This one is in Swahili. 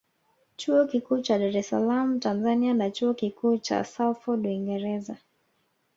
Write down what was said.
Chuo Kikuu cha DaresSalaam Tanzania na Chuo Kikuucha Salford uingereza